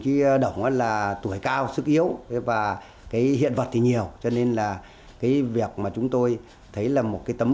chí đồng là tuổi cao sức yếu và cái hiện vật thì nhiều cho nên việc chúng tôi thấy là một cái tấm